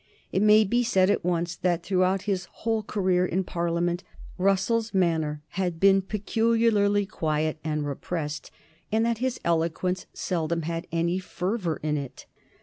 It may be said at once that throughout his whole career in Parliament Russell's manner had been peculiarly quiet and repressed, and that his eloquence seldom had any fervor in it.